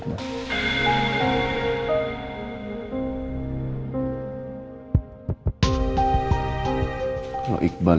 tidak ada yang lebih baik